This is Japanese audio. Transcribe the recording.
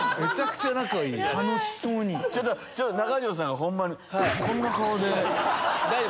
ちょっと中条さんホンマにこんな顔で。